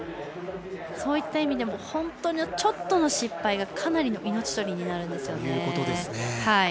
そういった意味でも本当にちょっとの失敗がかなりの命取りになるんですね。